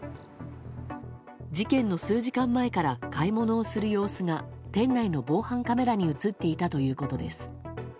事件の数時間前から買い物をする様子が店内の防犯カメラに映っていたということです。